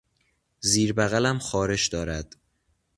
زیر بغلم خارش دارد.